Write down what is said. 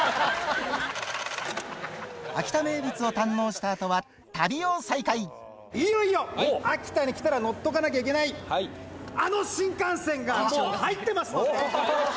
秋田名物を堪能したあとは旅いよいよ、秋田に来たら乗っとかなきゃいけないあの新幹線が入ってますので。